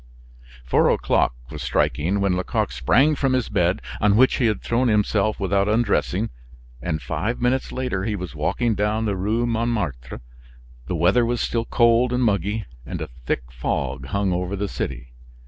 Four o'clock was striking when Lecoq sprang from his bed on which he had thrown himself without undressing; and five minutes later he was walking down the Rue Montmartre. The weather was still cold and muggy; and a thick fog hung over the city.